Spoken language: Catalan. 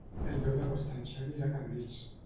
El deu d'agost en Xavi irà a Cabrils.